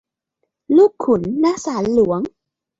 ลูกขุน ณ ศาลหลวง